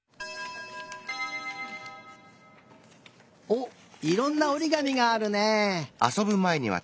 おっいろんなおりがみがあるね。